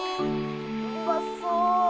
うまそう！」。